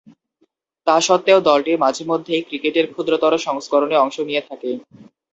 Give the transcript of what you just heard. তাস্বত্ত্বেও দলটি মাঝে-মধ্যেই ক্রিকেটের ক্ষুদ্রতর সংস্করণে অংশ নিয়ে থাকে।